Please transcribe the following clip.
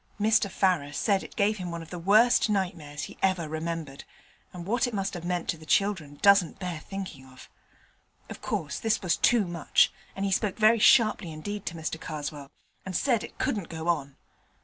Mr Farrer said it gave him one of the worst nightmares he ever remembered, and what it must have meant to the children doesn't bear thinking of. Of course this was too much, and he spoke very sharply indeed to Mr Karswell, and said it couldn't go on.